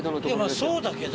そうだけど。